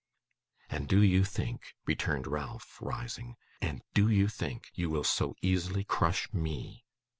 'And do you think,' returned Ralph, rising, 'and do you think, you will so easily crush ME?